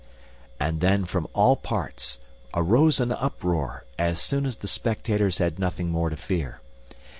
And then from all parts arose an uproar, as soon as the spectators had nothing more to fear.